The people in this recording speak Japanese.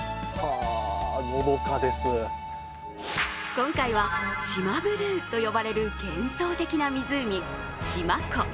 今回は四万ブルーと呼ばれる幻想的な湖、四万湖。